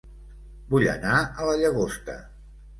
Vull anar a La Llagosta